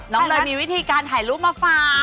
เลยมีวิธีการถ่ายรูปมาฝาก